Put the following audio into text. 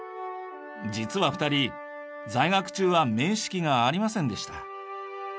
実は２人在学中は面識がありませんでした。